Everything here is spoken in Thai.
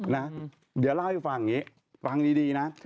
นะเดี๋ยวเล่าให้ฟังอย่างนี้ฟังดีนะ